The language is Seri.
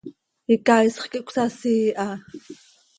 Icaaisx quih cöcasii ha.